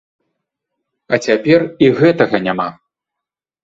А цяпер і гэтага няма.